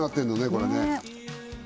これねね